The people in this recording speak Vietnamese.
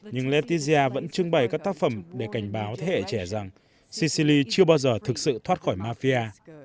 nhưng lettizia vẫn trưng bày các tác phẩm để cảnh báo thế hệ trẻ rằng cicili chưa bao giờ thực sự thoát khỏi mafia